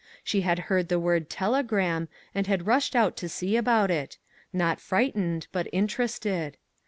She had heard the word " telegram " and had rushed out to see about it; not frightened, but interested.